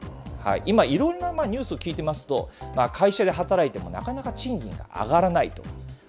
今、いろんなニュース聞いてますと、会社で働いてもなかなか賃金が上がらないと。